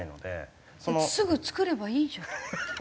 すぐ作ればいいじゃん。